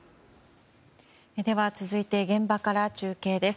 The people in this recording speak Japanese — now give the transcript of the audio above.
続いて現場から中継です。